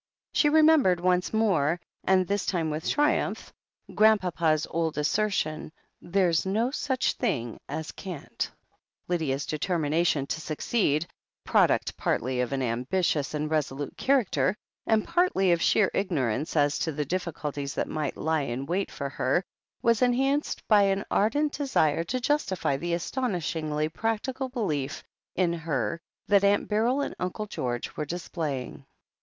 She remembered once more, and this time with triumph. Grandpapa's old as sertion : "There's no such thing as can't," Lydia's determination to succeed, product partly of an ambitious and resolute character, and partly of sheer ignorance as to the difficulties that might lie in wait for her, was enhanced by an ardent desire to justify the astonishingly practical belief in her that Aimt Beryl and Uncle George were displaying.